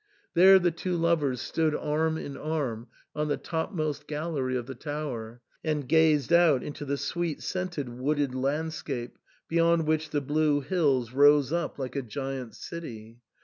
There the two lovers stood arm in arm on the topmost gallery of the tower, and gazed out into the sweet scented wooded landscape, beyond which the blue hills rose up like a giant's city.